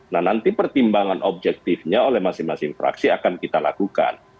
nah nanti pertimbangan objektifnya oleh masing masing fraksi akan kita lakukan